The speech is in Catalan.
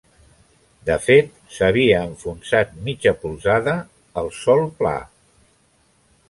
De fet, s'havia enfonsat mitja polzada al sòl bla.